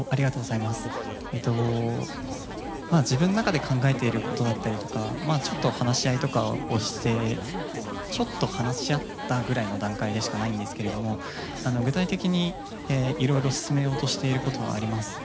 自分の中で考えていることだったりとかちょっと話し合ったぐらいの段階でしかないんですけども具体的にいろいろ進めようとしていることはあります。